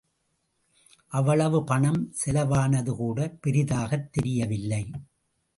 அவ்வளவு பணம் செலவானது கூட பெரிதாகத் தெரியவில்லை.